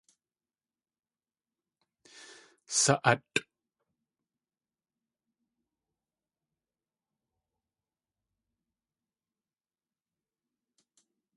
Sa.átʼ!